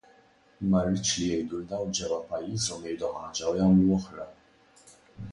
Ma rridx li jgħidu li dawn ġewwa pajjiżhom jgħidu ħaġa u jagħmlu oħra!